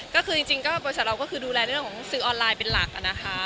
ก็คือจริงก็บริษัทเราก็คือดูแลในเรื่องของซื้อออนไลน์เป็นหลักนะคะ